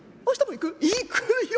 「行くよ。